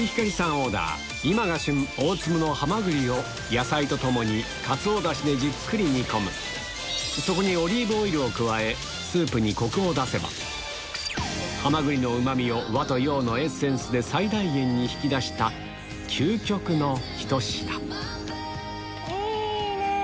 オーダー今が旬大粒のハマグリを野菜と共にかつおダシでじっくり煮込むそこにスープにコクを出せばハマグリのうまみを和と洋のエッセンスで最大限に引き出した究極のひと品いいねぇ！